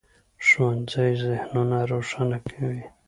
ښوونځی ذهنونه روښانه کوي.